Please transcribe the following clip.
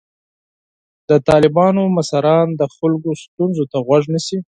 د طالبانو مشران د خلکو ستونزو ته غوږ نیسي.